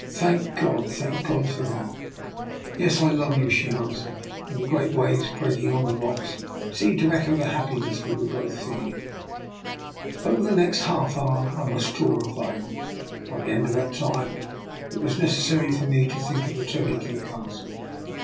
" Thank God, thank God for that!" " Yes, I love you," she answered; and the great waves breaking on the rocks seemed to echo the happiness we both were feeling. Over the next half hour I must draw a veil. By the end of that time it was neces sary for me to think of returning to the Cas tle.